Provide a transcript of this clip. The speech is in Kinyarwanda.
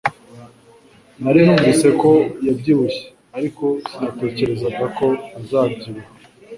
Nari numvise ko yabyibushye, ariko sinatekerezaga ko azabyibuha